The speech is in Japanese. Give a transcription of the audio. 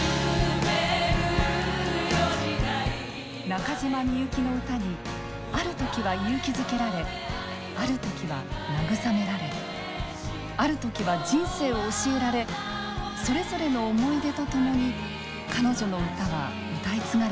中島みゆきの歌にある時は勇気づけられある時は慰められある時は人生を教えられそれぞれの思い出とともに彼女の歌は歌い継がれていきます。